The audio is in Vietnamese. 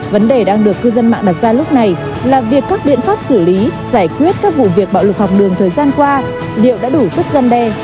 vấn đề đang được cư dân mạng đặt ra lúc này là việc các biện pháp xử lý giải quyết các vụ việc bạo lực học đường thời gian qua liệu đã đủ sức dân đe